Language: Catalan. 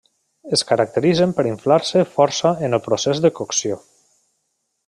Es caracteritzen per inflar-se força en el procés de cocció.